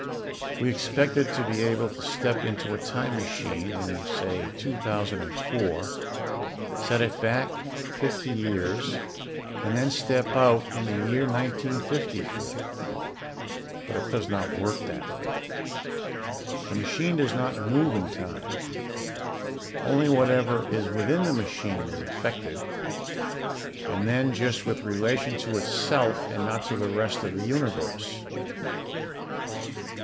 We expected to be able to step into a time machine in, say, 2004, set it for fifty years back, and then step out in the year 1954 ... but it does not work that way. The machine does not move in time. Only whatever is within the machine is affected, and then just with relation to itself and not to the rest of the Universe.